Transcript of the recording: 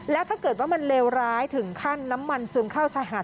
แล้วถ้าเกิดว่ามันเลวร้ายถึงขั้นน้ำมันซึมเข้าชายหาด